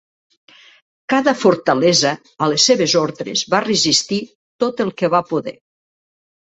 Cada fortalesa a les seves ordres va resistir tot el que va poder.